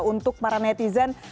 untuk para netizen